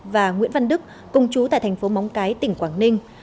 và nguyễn văn đức cùng trú tại tp mong cái tỉnh quảng ninh